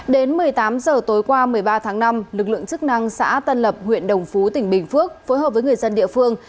đến một mươi tám h tối qua một mươi ba tháng năm lực lượng chức năng xã tân lập huyện đồng phú tỉnh bình phước phối hợp với người dân địa phương